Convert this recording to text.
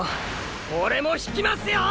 オレも引きますよ！！